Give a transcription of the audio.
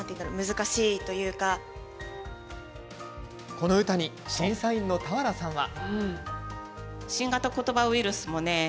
この歌に審査員の俵さんは。